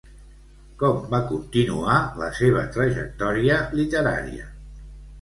Com va continuar la seva trajectòria literària?